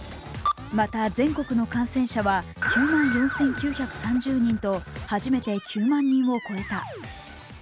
また、全国の感染者は９万４９３０人と初めて９万人を超えた。